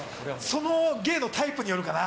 その芸のタイプによるかな。